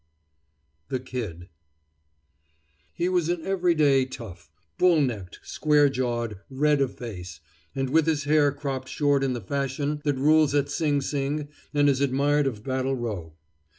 THE KID He was an every day tough, bull necked, square jawed, red of face, and with his hair cropped short in the fashion that rules at Sing Sing and is admired of Battle Row.